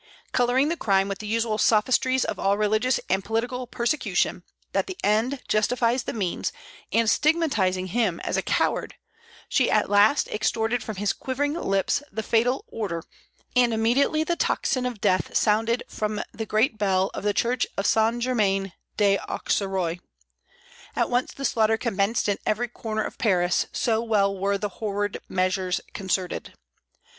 Coloring the crime with the usual sophistries of all religious and political persecution, that the end justifies the means, and stigmatizing him as a coward, she at last extorted from his quivering lips the fatal order; and immediately the tocsin of death sounded from the great bell of the church of St. Germain de Auxerrois. At once the slaughter commenced in every corner of Paris, so well were the horrid measures concerted.